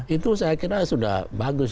itu saya kira sudah bagus